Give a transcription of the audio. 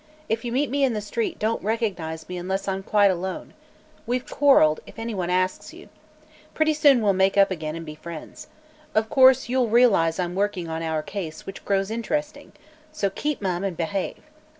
If you meet me in the street, don't recognize me unless I'm quite alone. We've quarrelled, if anyone asks you. Pretty soon we'll make up again and be friends. Of course, you'll realize I'm working on our case, which grows interesting. So keep mum and behave."